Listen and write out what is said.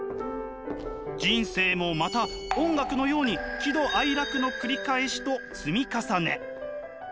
人生もまた音楽のように喜怒哀楽の繰り返しと積み重ね。